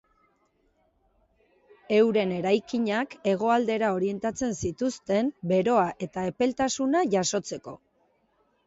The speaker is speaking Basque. Euren eraikinak hegoaldera orientatzen zituzten beroa eta epeltasuna jasotzeko.